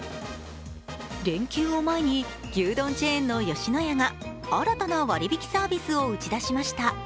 連休を前に牛丼チェーンの吉野家が新たな割引サービスを打ち出しました。